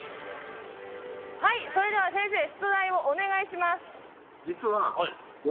はいそれでは先生出題をお願いします。